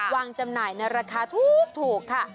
จำหน่ายในราคาถูกค่ะ